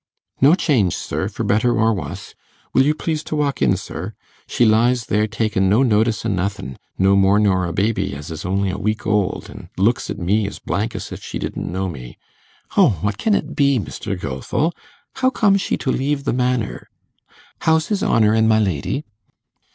'No change, sir, for better or wuss. Will you please to walk in, sir? She lies there takin' no notice o' nothin', no more nor a baby as is on'y a week old, an' looks at me as blank as if she didn't know me. O what can it be, Mr. Gilfil? How come she to leave the Manor? How's his honour an' my lady?